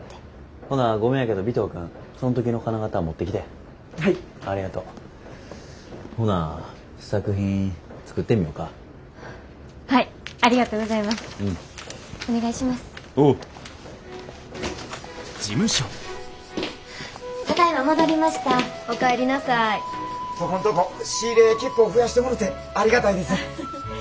ここんとこ仕入れ結構増やしてもろてありがたいです。